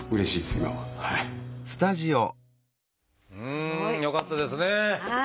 すごい。よかったですね。